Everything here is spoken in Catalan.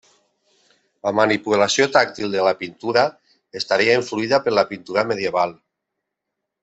La manipulació tàctil de la pintura estaria influïda per la pintura medieval.